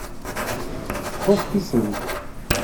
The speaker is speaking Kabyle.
Txuṣṣ tisent.